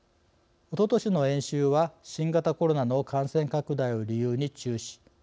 おととしの演習は新型コロナの感染拡大を理由に中止